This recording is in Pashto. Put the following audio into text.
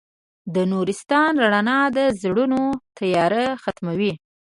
د نورستان رڼا د زړونو تیاره ختموي.